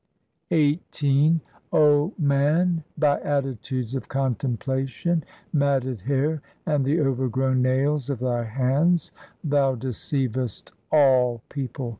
XVIII O man, by attitudes of contemplation, matted hair, and the overgrown nails of thy hands thou deceivest all people.